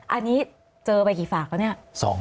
อันนี้เจอไปกี่ฝากแล้วเนี่ย